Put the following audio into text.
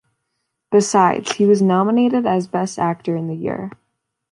Besides, he was nominated as Best actor in the year.